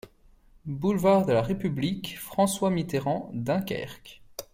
Boulevard de la République - François Mitterrand, Dunkerque